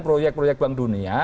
proyek proyek bank dunia